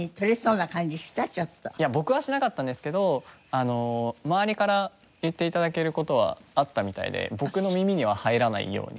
僕はしなかったんですけど周りから言って頂ける事はあったみたいで僕の耳には入らないように。